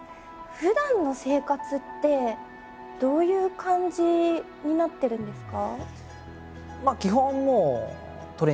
ふだんの生活ってどういう感じになってるんですか？